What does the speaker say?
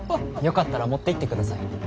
よかったら持っていってください。